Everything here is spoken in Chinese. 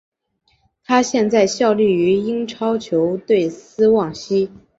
他现在效力于英超球队斯旺西。